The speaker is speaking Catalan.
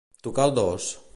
Tocar el dos